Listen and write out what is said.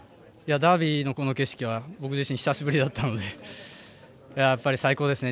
ダービーの、この景色は僕自身、久しぶりだったのでやっぱり最高ですね。